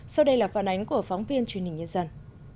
sau đây là phản ánh của phóng viên truyền hình nhân dân